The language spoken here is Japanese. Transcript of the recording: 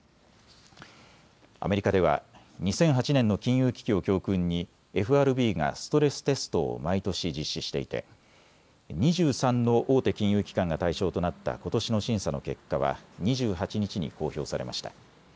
アメリカでは２００８年の金融危機を教訓にＦＲＢがストレステストを毎年実施していて２３の大手金融機関が対象となったことしの審査の結果は２８日に公表されました。